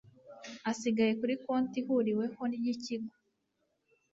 asigaye kuri konti ihuriweho y ikigo